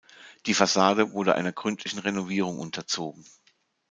Die Fassade wurde einer gründlichen Renovierung unterzogen.